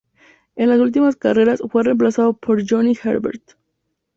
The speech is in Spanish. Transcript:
En las últimas carreras fue reemplazado por Johnny Herbert.